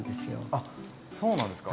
あそうなんですか。